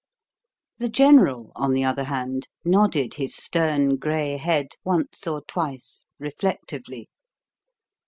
The General, on the other hand, nodded his stern grey head once or twice reflectively.